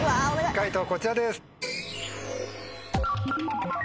解答こちらです。